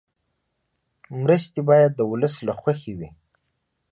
مرستې باید د ولس له خوښې وي.